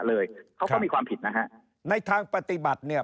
เลยเขาก็มีความผิดนะฮะในทางปฏิบัติเนี่ย